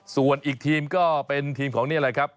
ส่วนอีกทีมก็เป็นทีมของนี่แหละครับ